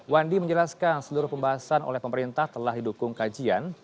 wandi menjelaskan seluruh pembahasan oleh pemerintah telah didukung kajian